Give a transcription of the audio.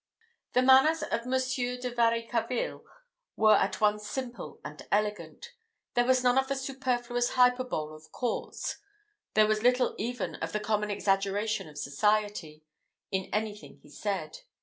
The manners of Monsieur de Varicarville were at once simple and elegant there was none of the superfluous hyperbole of courts; there was little even of the common exaggeration of society, in anything he said.